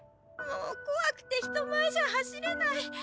もう怖くて人前じゃ走れない。